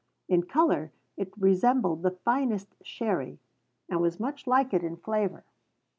In color it resembled the finest sherry, and was much like it in flavor.